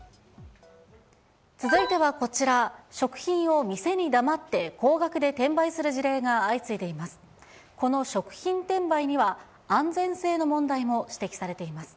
続いてはこちら、食品を店に黙って高額で転売する事例が相次いでいます。